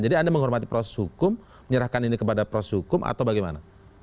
jadi anda menghormati proses hukum menyerahkan ini kepada proses hukum atau bagaimana